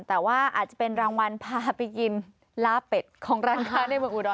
แต่ว่าอาจจะเป็นรางวัลพาไปกินล่าแปด